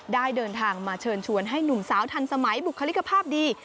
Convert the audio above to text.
ได้เดินทางมาเชิญชวนให้หนุ่มสาวทันสมัยบุคลิกภาพดี